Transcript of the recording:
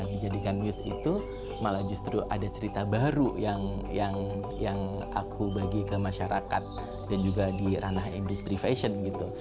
dijadikan news itu malah justru ada cerita baru yang aku bagi ke masyarakat dan juga di ranah industri fashion gitu